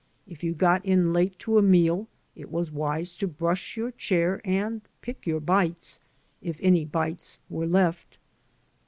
If you got in late to a meal, it was wise to brush your chair and "pick your bites," if any bites were left.